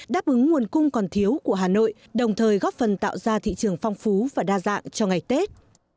đáp ứng nguồn cung còn thiếu của hà nội đồng thời góp phần tạo ra thị trường phong phú và đa dạng cho ngày tết